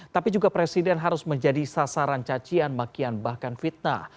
tapi juga presiden harus menjadi sasaran cacian makian bahkan fitnah